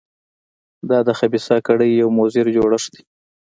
دا د خبیثه کړۍ یو مضر جوړښت دی.